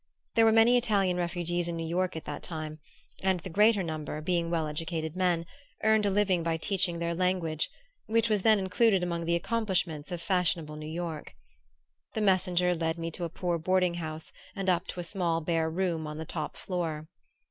There were many Italian refugees in New York at that time, and the greater number, being well educated men, earned a living by teaching their language, which was then included among the accomplishments of fashionable New York. The messenger led me to a poor boarding house and up to a small bare room on the top floor.